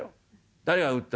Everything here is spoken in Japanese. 「誰が売ったの？」。